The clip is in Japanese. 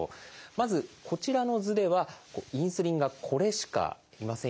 まずこちらの図ではインスリンがこれしかいませんよね。